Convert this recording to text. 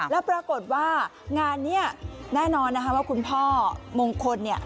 แล้วปรากฏว่างานนี้แน่นอนนะคะว่าคุณพ่อมงคลเนี่ย